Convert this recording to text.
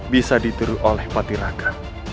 bisa diturut oleh pati raga